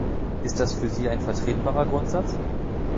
Ist das für Sie ein vertretbarer Grundsatz?